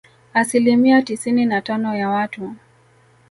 Asilimia tisini na tano ya watu